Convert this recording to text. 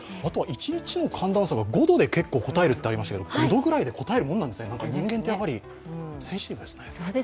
一日の寒暖差が５度で結構こたえるとありましたけど、５度ぐらいでこたえるものなんですね、人間ってセンシティブですね。